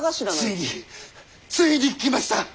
ついについに来ました。